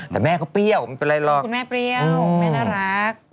แต่แม่ก็เปรี้ยวไม่เป็นไรหรอกคุณแม่เปรี้ยวแม่น่ารัก